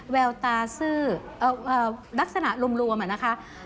แววตาซื่อลักษณะรวมเหมือนนะคะ